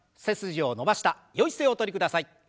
背筋を伸ばしたよい姿勢おとりください。